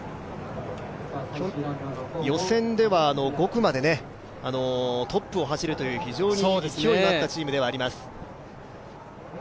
予選では５区までトップを走るという非常に勢いのあったチームではあります。